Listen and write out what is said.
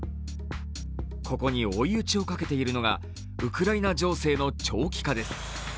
ここに追い打ちをかけているのがウクライナ情勢の長期化です。